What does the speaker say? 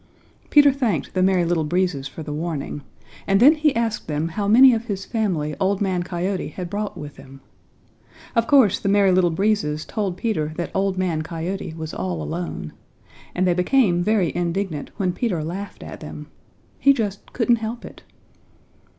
Peter thanked the Merry Little Breezes for the warning, and then he asked them how many of his family Old Man Coyote had brought with him. Of course the Merry Little Breezes told Peter that Old Man Coyote was all alone, and they became very indignant when Peter laughed at them. He just couldn't help it.